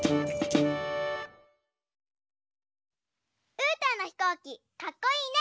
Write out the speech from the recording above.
うーたんのひこうきかっこいいね！